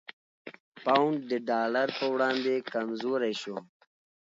پونډ د ډالر په وړاندې کمزوری شو؛